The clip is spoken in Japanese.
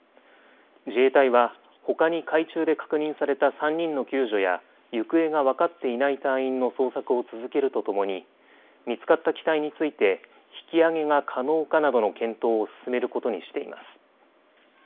自衛隊はほかに海中で確認された３人の救助や行方が分かっていない隊員の捜索を続けるとともに見つかった機体について引き揚げが可能かなどの検討を進めることにしています。